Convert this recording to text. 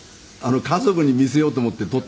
家族に見せようと思って撮ったんですね